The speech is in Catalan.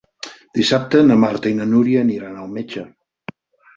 Dissabte na Marta i na Nura aniran al metge.